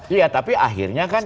iya tapi akhirnya kan